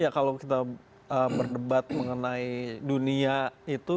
ya kalau kita berdebat mengenai dunia itu